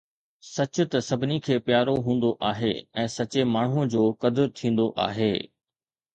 سچ ته سڀني کي پيارو هوندو آهي ۽ سچي ماڻهوءَ جو قدر ٿيندو آهي